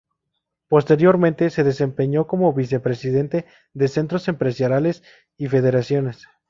Posteriormente, se desempeñó como Vicepresidente de Centros Empresariales y Federaciones.